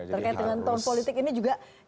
terkait dengan tone politik ini juga yang harus